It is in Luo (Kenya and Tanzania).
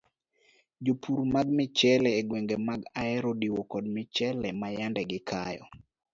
Jopur mag michele e gwenge mag ahero odiwo kod michele mayande gikayo.